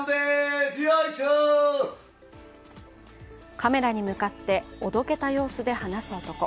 カメラに向かっておどけた様子で話す男。